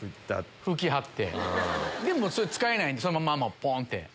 それ使えないんでそのままポン！って。